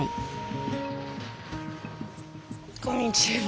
こんにちは。